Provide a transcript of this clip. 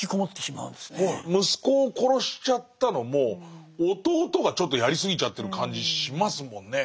息子を殺しちゃったのも弟がちょっとやりすぎちゃってる感じしますもんね。